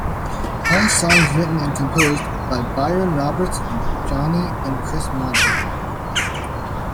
All songs written and composed by Byron Roberts and Jonny and Chris Maudling.